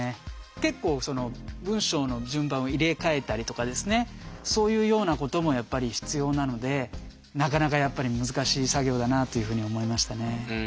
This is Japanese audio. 結構文章の順番を入れ替えたりとかですねそういうようなこともやっぱり必要なのでなかなかやっぱり難しい作業だなというふうに思いましたね。